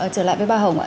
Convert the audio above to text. trở lại với bà hồng ạ